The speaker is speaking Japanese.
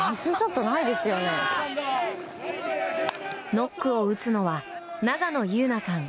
ノックを打つのは永野悠菜さん。